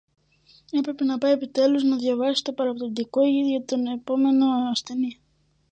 έπρεπε να πάει επιτέλους να διαβάσει το παραπεμπτικό για τον επόμενο ασθενή